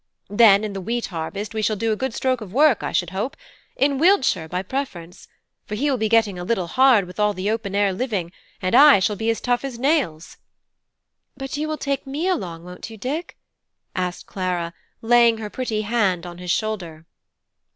Then in the wheat harvest we shall do a good stroke of work, I should hope, in Wiltshire by preference; for he will be getting a little hard with all the open air living, and I shall be as tough as nails." "But you will take me along, won't you, Dick?" said Clara, laying her pretty hand on his shoulder.